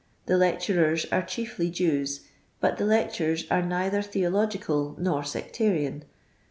The lecturers are chiefly Jews, but the lectures are neither theological nor sectarian.